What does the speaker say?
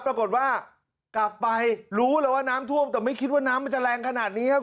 ปรากฏว่ากลับไปรู้เลยว่าน้ำท่วมแต่ไม่คิดว่าน้ำมันจะแรงขนาดนี้ครับ